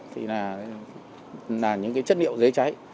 thì là những cái chất liệu giới cháy